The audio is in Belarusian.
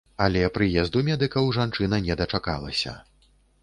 Але прыезду медыкаў жанчына не дачакалася.